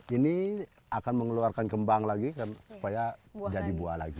ini akan mengeluarkan kembang lagi supaya jadi buah lagi